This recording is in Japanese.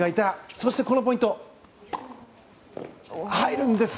そして、このポイント入るんです！